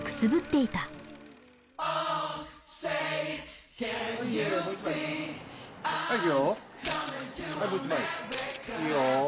いいよ。